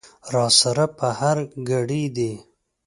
را سره په هر ګړي دي